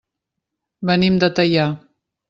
Venim de Teià.